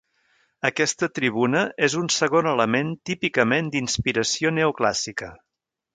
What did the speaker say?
Aquesta tribuna és un segon element típicament d'inspiració neoclàssica.